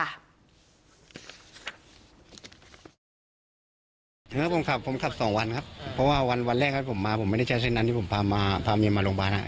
ถึงว่าผมขับผมขับสองวันครับเพราะว่าวันวันแรกครับผมมาผมไม่ได้ใช้เส้นนั้นที่ผมพามาพาเมียมาโรงพยาบาล